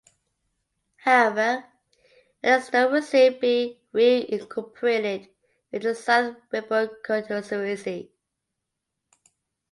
However, Eccleston will soon be re-incorporated into the South Ribble constituency.